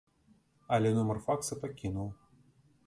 Але нумар факса пакінуў.